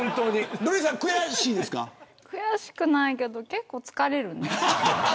悔しくないけど結構疲れる。